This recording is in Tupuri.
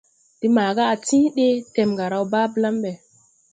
De maaga á ti ɗee, Tɛmga raw baa blam ɓɛ.